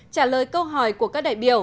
trả lời câu hỏi của các đại biểu